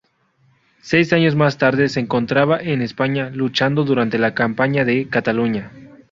Seis años más tarde se encontraba en España, luchando durante la campaña de Cataluña.